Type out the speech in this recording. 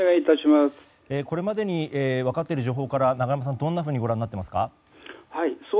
これまでに分かっている情報から永山さん、どんなふうにご覧になっていますか？